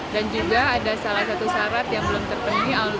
dan juga ada salah satu syarat yang belum terpenuhi